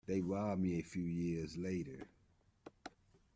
They robbed me a few years later.